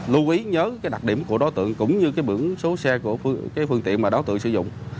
lưu ý nhớ cái đặc điểm của đối tượng cũng như cái biển số xe của cái phương tiện mà đối tượng sử dụng